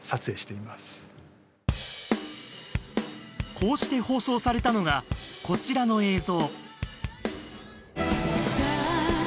こうして放送されたのがこちらの映像。